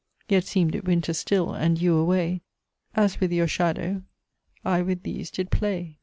Yet seem'd it winter still, and, you away, As with your shadow, I with these did play!"